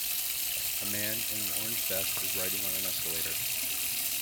A man in an orange vest is riding on an escalator.